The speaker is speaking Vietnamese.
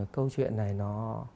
câu chuyện này nó